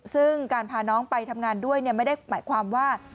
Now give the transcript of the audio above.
ซึ่งการพาน้องไปทำงานด้วยไม่ได้หมายความว่า